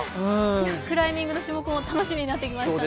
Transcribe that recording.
クライミングの種目も楽しみになってきましたね。